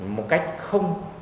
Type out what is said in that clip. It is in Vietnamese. một cách không